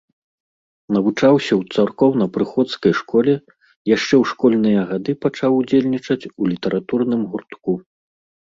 Навучаўся ў царкоўна-прыходскай школе, яшчэ ў школьныя гады пачаў удзельнічаць у літаратурным гуртку.